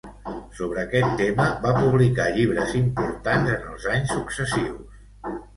Sobre aquest tema va publicar llibres importants en els anys successius.